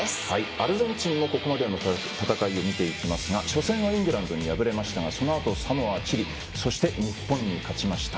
アルゼンチンのここまでの戦いを見ていきますが初戦はイングランドに敗れましたがそのあとサモア、チリそして日本に勝ちました。